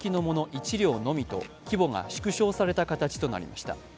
１両のみと規模が縮小された形となりました。